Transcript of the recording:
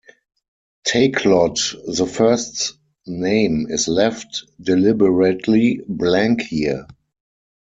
Takelot the First's name is left deliberately blank here.